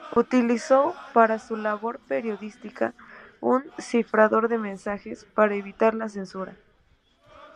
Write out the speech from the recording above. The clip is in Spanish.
Utilizó para su labor periodística un cifrador de mensajes para evitar la censura.